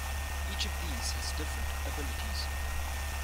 Each of these has different abilities.